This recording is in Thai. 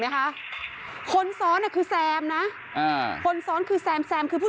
มั้ยคะคนซ้อนคือแซมนะคนซ้อนคือแซมแซมคือผู้